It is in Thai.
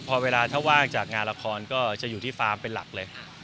พอเวลาถ้าว่างจากงานละครก็จะอยู่ที่ฟาร์มเป็นหลักเลย